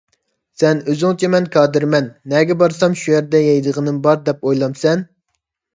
سەن ئۆزۈڭچە مەن كادىرمەن، نەگە بارسام شۇ يەردە يەيدىغىنىم بار دەپ ئويلامسەن؟!